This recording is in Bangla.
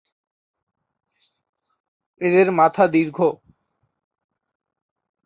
এদের মাথা দীর্ঘ।